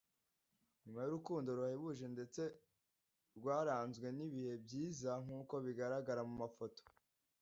nyuma y’urukundo ruhebuje ndetse rwaranzwe n’ibihe byiza nk’uko bigaragara mu mafoto